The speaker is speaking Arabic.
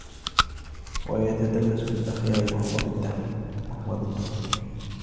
وَيَتَدَلَّسَ فِي الْأَخْيَارِ وَهُوَ ضِدُّهُمْ